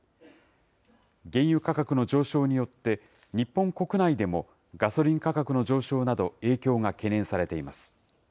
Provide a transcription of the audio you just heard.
原油価格の上昇によって、日本国内でも、ガソリン価格の上昇など影響が懸念されています。